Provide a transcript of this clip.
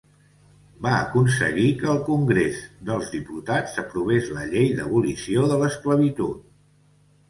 Va aconseguir que el Congrés dels Diputats aprovés la Llei d'abolició de l'esclavitud.